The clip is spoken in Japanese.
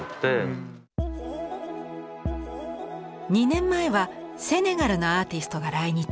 ２年前はセネガルのアーティストが来日。